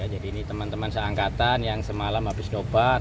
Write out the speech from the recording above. jadi ini teman teman seangkatan yang semalam habis dobat